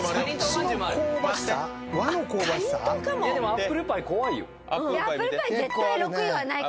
アップルパイない？